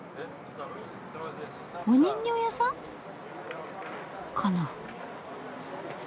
お人形屋さんかな？